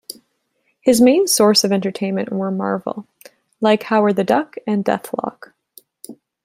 His main source of entertainment were Marvel like "Howard the Duck" and "Deathlok".